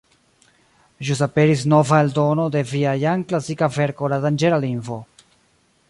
Ĵus aperis nova eldono de via jam klasika verko ”La danĝera lingvo”.